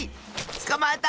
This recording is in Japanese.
つかまえた！